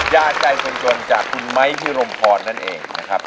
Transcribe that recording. ญาติใจคนจนจากคุณไม้พิรมพรนั่นเองนะครับ